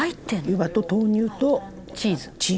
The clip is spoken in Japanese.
「湯葉と豆乳とチーズ」